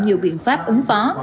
nhiều biện pháp ứng phó